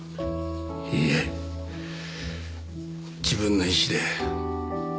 いいえ自分の意思で。